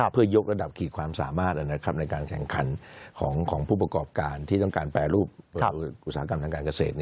เพื่อยกระดับขีดความสามารถในการแข่งขันของผู้ประกอบการที่ต้องการแปรรูปอุตสาหกรรมทางการเกษตร